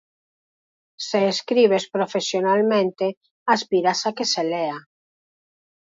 Se escribes profesionalmente, aspiras a que se lea.